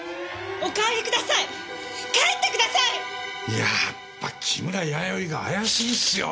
やっぱ木村弥生が怪しいっすよ。